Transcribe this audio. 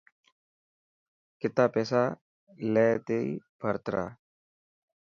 ڪتا پيسا لي تي ڀرت را.